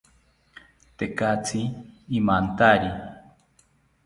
Tekatzi imantari